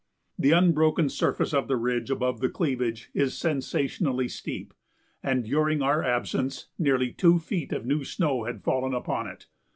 The unbroken surface of the ridge above the cleavage is sensationally steep, and during our absence nearly two feet of new snow had fallen upon it.